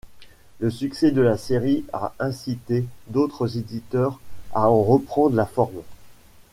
Le succès de la série a incité d'autres éditeurs à en reprendre la forme.